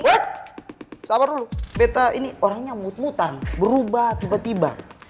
web sabar dulu beta ini orangnya mut mutan berubah tiba tiba